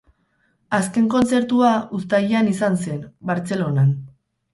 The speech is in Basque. Azken kontzertua, Uztailean izan zen, Bartzelonan.